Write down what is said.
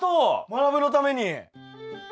まなぶのために？